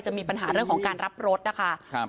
มีปัญหาเรื่องของการรับรถนะคะ